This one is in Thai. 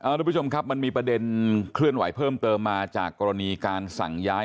ทุกผู้ชมครับมันมีประเด็นเคลื่อนไหวเพิ่มเติมมาจากกรณีการสั่งย้าย